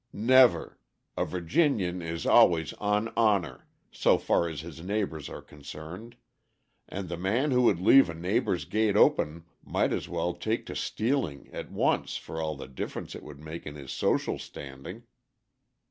"Never; a Virginian is always 'on honor' so far as his neighbors are concerned, and the man who would leave a neighbor's gate open might as well take to stealing at once for all the difference it would make in his social standing."